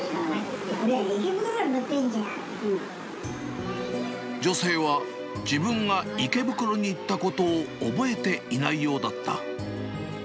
これは池袋から乗ってんじゃ女性は、自分が池袋に行ったことを覚えていないようだった。